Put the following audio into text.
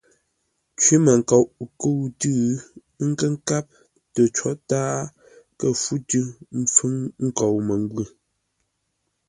Cwímənkoʼ kə̂u tʉ́, ə́ nkə́ nkáp tə có tǎa kə̂ fú tʉ́ ḿpfúŋ nkou məngwʉ̂.